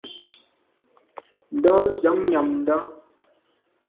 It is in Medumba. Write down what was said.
Ndo ndia nnjam ndà.